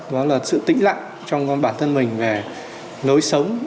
đó là sự tĩnh lặng trong bản thân mình về lối sống